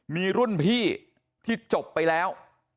มีรุ่นพี่ที่จบไปแล้ว